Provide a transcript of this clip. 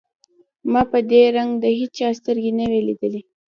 ما په دې رنگ د هېچا سترګې نه وې ليدلې.